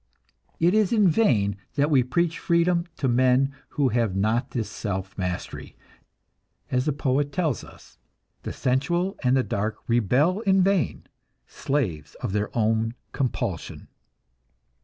It is in vain that we preach freedom to men who have not this self mastery; as the poet tell us: "The sensual and the dark rebel in vain, slaves of their own compulsion."